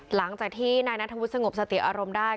หลังจากที่นายนัทธรพุทธสงบสะเตียงอารมณ์ได้